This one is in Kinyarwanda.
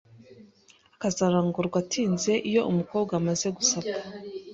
akazarongorwa atinze Iyo umukobwa amaze gusabwa